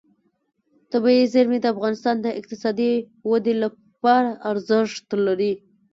طبیعي زیرمې د افغانستان د اقتصادي ودې لپاره ارزښت لري.